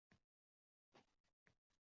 Dil zamindan